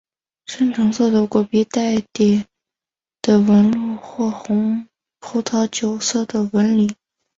深橙色的果皮有带点的纹路或红葡萄酒色的纹理。